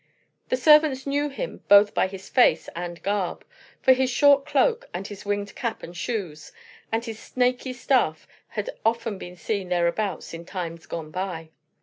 The servants knew him both by his face and garb; for his short cloak, and his winged cap and shoes, and his snaky staff had often been seen thereabouts in times gone by.